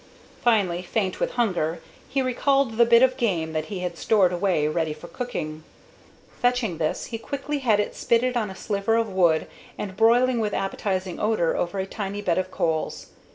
Finally, faint with hunger, he recalled the bit of game that he had stored away ready for cooking. Fetching this, he quickly had it spitted on a sliver of wood and broiling with appetizing odor over a tiny bed of coals.